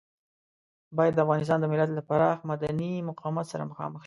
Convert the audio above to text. بايد د افغانستان د ملت له پراخ مدني مقاومت سره مخامخ شي.